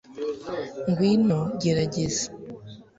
Ngwino gerageza